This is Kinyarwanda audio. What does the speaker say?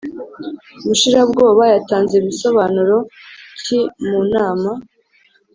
Mushirabwoba yatanze bisobanuro ki mu nama?